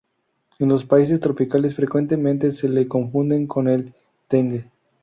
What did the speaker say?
En los países tropicales frecuentemente se le confunde con el dengue.